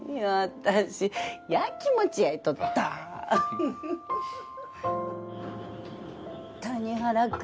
私やきもち焼いとった・谷原君